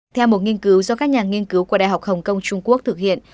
theo một nghiên cứu do các nhà nghiên cứu của đại học hồng kông trung quốc thực hiện